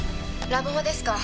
ラブホですか。